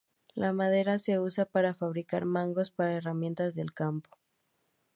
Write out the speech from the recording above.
La madera se usa para fabricar mangos para herramientas del campo.